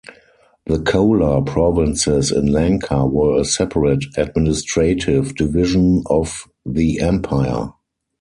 The Chola provinces in Lanka were a separate administrative division of the empire.